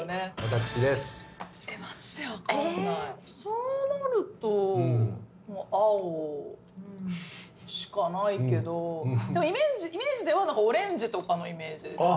そうなると青しかないけどでもイメージではオレンジとかのイメージですね。